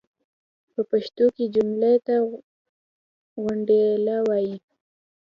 پۀ پښتو کې جملې ته غونډله وایي.